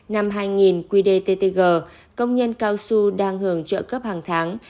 năm hai nghìn quy đề ttg công nhân cao su đang hưởng trợ cấp hàng tháng